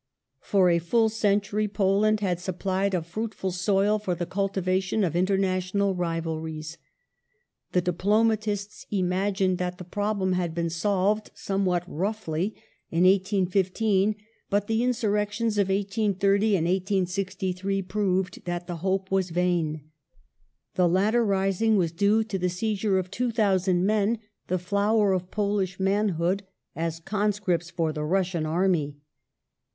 For a full century Poland had supplied a fruitful soil for the cultivation of international rivalries. The diplomatists imagined that the problem had been solved — somewhat roughly — in 1815, but the insurrections of 1830 and 1863 proved that the hope was vain. The latter rising was due to the seizure of 2,000 men — the flower of Polish manhood — as conscripts for the Russian army.